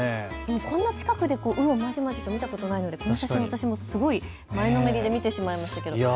こんな近くで鵜をまじまじと見たことがないので私もすごい前のめりで見てしまいますけど。